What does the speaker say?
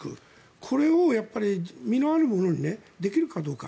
これを実のあるものにできるかどうか。